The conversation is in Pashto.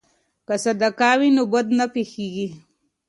که صدقه وي نو بد نه پیښیږي.